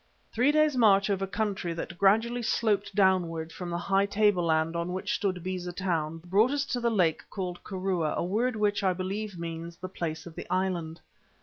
Three days' march over country that gradually sloped downwards from the high tableland on which stood Beza Town, brought us to the lake called Kirua, a word which, I believe, means The Place of the Island.